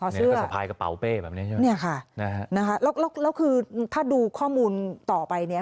แล้วก็สะพายกระเป๋าเป้แบบนี้ใช่ไหมเนี่ยค่ะนะฮะแล้วคือถ้าดูข้อมูลต่อไปเนี้ย